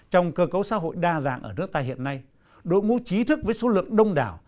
trong cơ cấu xã hội đa dạng ở nước ta hiện nay đội ngũ trí thức với số lượng đông đảo